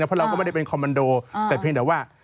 เพราะเราก็ไม่ได้เป็นคอมมันโดแต่เพียงแต่ว่า